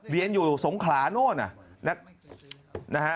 เรียนอยู่สงขลาโน่นนะฮะ